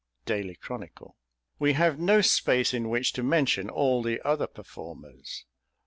" Daily Chronicle. "We have no space in which to mention all the other performers."